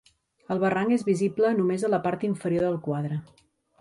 El barranc és visible només a la part inferior del quadre.